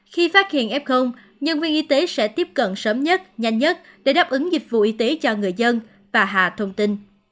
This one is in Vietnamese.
khi phát hiện f nhân viên y tế sẽ tiếp cận sớm nhất nhanh nhất để đáp ứng dịch vụ y tế cho người dân và hạ thông tin